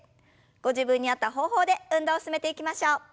ご自分に合った方法で運動を進めていきましょう。